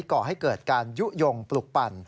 ก่อให้เกิดการยุโยงปลุกปั่น